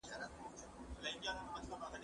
مينځه چي توده سي، هلته بيده سي.